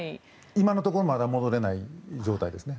今のところ戻れない状態ですね。